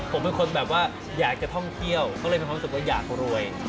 ผมเป็นคนแบบว่าอยากจะท่องเที่ยวก็เลยมีความรู้สึกว่าอยากรวย